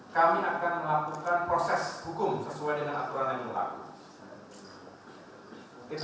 kami akan melakukan proses hukum sesuai dengan aturan yang berlaku